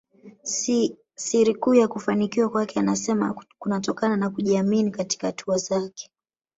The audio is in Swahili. Siri kuu ya kufanikiwa kwake anasema kunatokana na kujiamini katika hatua zake